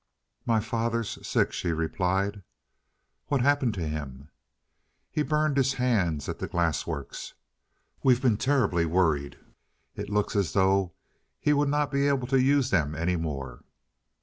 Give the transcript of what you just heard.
"My father's sick," she replied. "What's happened to him?" "He burned his hands at the glass works. We've been terribly worried. It looks as though he would not be able to use them any more."